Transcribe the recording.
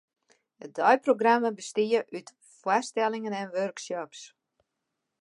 It deiprogramma bestie út foarstellingen en workshops.